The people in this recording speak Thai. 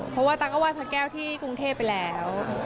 เพราะว่าตังก็ไห้พระแก้วที่กรุงเทพไปแล้ว